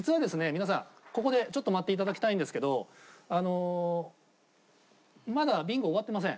皆さんここでちょっと待っていただきたいんですけどまだビンゴ終わってません。